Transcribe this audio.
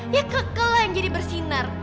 ya kekelah yang jadi bersinar